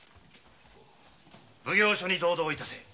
奉行所に同道致せ！